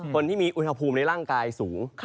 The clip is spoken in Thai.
คนที่มีอุณหภูมิในร่างกายสูง